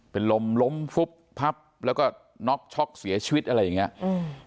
เป็นลมล้มฟุบพับแล้วก็น็อกช็อกเสียชีวิตอะไรอย่างเงี้ยอืม